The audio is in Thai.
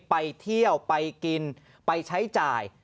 ไปเที่ยวไปกินไปใช้จ่าย